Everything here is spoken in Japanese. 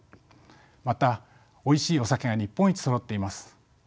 またおいしいお酒が日本一そろっています。